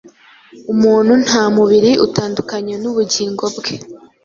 Umuntu ntamubiri utandukanye nubugingo bwe.